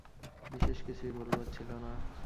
বিশেষ কিছুই বলবার ছিল না।